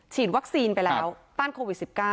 วัคซีนไปแล้วต้านโควิด๑๙